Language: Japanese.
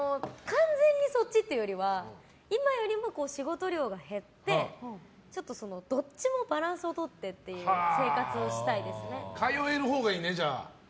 完全にそっちっていうよりは今よりも仕事量が減ってどっちもバランスを取ってという通えるほうがいいね、じゃあ。